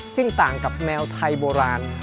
ซึ่งต่างกับแมวไทยโบราณ